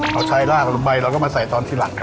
เขาใช้ลากใบเราก็มาใส่ตอนที่หลังครับ